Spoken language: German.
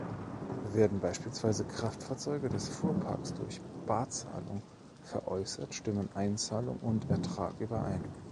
Werden beispielsweise Kraftfahrzeuge des Fuhrparks durch Barzahlung veräußert, stimmen Einzahlung und Ertrag überein.